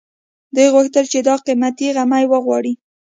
دوی غوښتل چې دا قيمتي غمی وغواړي